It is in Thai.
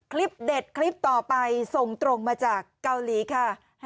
คลิปเด็ดคลิปต่อไปส่งตรงมาจากเกาหลีค่ะ